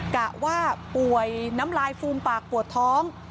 กะว่าป่วยน้ำลายฟูมปากปวดท้อง